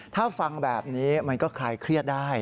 ถ้าฟังแบบนี้มันก็คลายเครียดได้